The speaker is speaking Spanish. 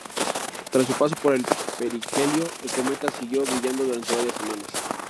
Tras su paso por el perihelio, el cometa siguió brillando durante varias semanas.